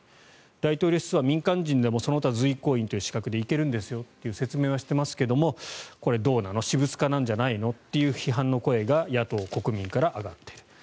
大統領室は民間人でもその他随行員という資格で行けるんですよという説明はしていますがこれはどうなの私物化なんじゃないのという批判の声が野党、国民から上がっている。